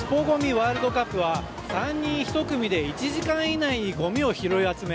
ワールドカップは３人１組で１時間以内にごみを拾い集め